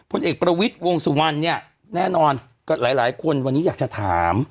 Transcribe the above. เอกประวิทย์วงสุวรรณเนี่ยแน่นอนหลายคนวันนี้อยากจะถาม